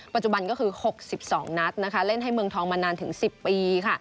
ปัจจุบันก็คือ๖๒นัดนะคะเล่นให้เมืองทองมานานถึง๑๐ปีค่ะ